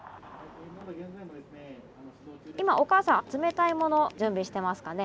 今おかあさん冷たいもの準備してますかね？